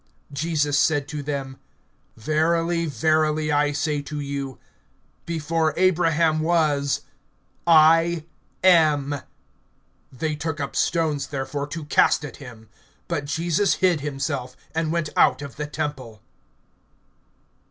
(58)Jesus said to them: Verily, verily, I say to you, before Abraham was, I am. (59)They took up stones therefore to cast at him. But Jesus hid himself, and went out of the temple.